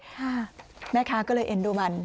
ค่ะแม่ค้าก็เลยเอ็นดูมัน